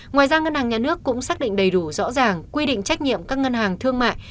ngoài ra ngân hàng nhà nước cũng xác định đầy đủ rõ ràng quy định trách nhiệm các ngân hàng thương mại